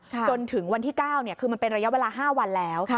จนถึงวันที่๙คือมันเป็นระยะเวลา๕วันแล้ว